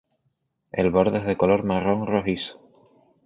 El borde es de color marrón rojizo.